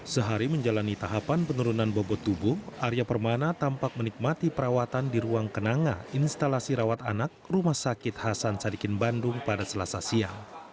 sehari menjalani tahapan penurunan bobot tubuh arya permana tampak menikmati perawatan di ruang kenanga instalasi rawat anak rumah sakit hasan sadikin bandung pada selasa siang